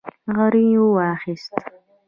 غريو واخيست.